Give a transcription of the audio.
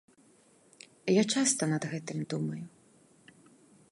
Я часта над гэтым думаю.